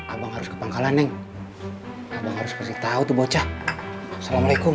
abang harus ke pangkalan neng abang harus kasih tahu tuh bocah assalamualaikum